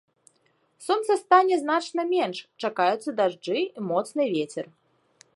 Сонца стане значна менш, чакаюцца дажджы і моцны вецер.